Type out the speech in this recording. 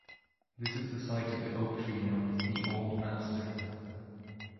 This is the site of the oak tree known as The Old Master.